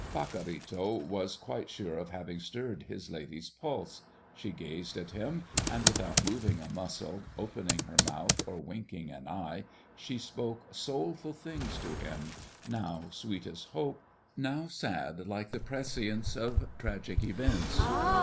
Pacorrito was quite sure of having stirred his lady's pulse. She gazed at him, and without moving a muscle, opening her mouth, or winking an eye, she spoke soulful things to him, now sweet as hope, now sad like the prescience of tragic events.